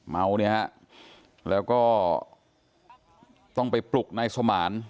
เมาเนี่ยฮะแล้วก็ต้องไปปลุกนายสมาน